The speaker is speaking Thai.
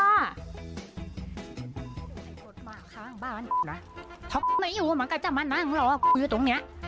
มาค้างบ้านนะไม่อยู่เหมือนกันจะมานั่งรออยู่ตรงเนี้ย